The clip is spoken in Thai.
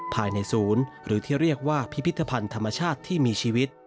ภายในศูนย์หรือที่เรียกว่าพิพิธภัณฑ์ธรรมชาติที่มีชีวิต